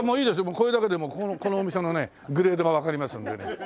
これだけでもうこのお店のねグレードがわかりますんでね。